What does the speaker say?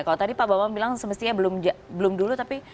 kalau tadi pak bapak bilang semestinya belum dulu tapi